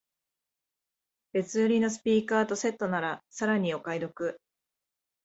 別売りのスピーカーとセットならさらにお買い得